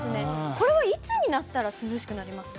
これはいつになったら涼しくなりますか？